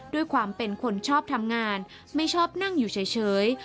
ด้วยความเป็นคนชอบทำงานไม่ชอบนั่งอยู่เฉย